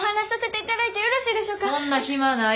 そんな暇ない！